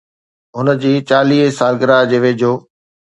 هن جي چاليهه سالگرهه جي ويجهو